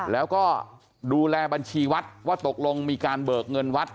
แล้วก็ดูแลบัญชีวัดว่าตกลงมีการเบิกเงินวัด